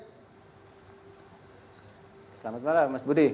selamat malam mas budi